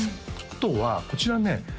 あとはこちらね